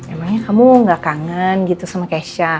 emangnya kamu gak kangen gitu sama keisha